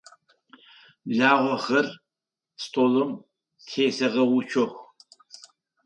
Лагъэхэр столым тесэгъэуцох.